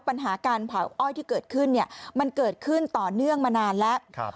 ปัญหาการเผาอ้อยที่เกิดขึ้นมันเกิดขึ้นต่อเนื่องมานานแล้ว